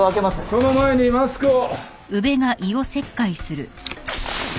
その前にマスクを。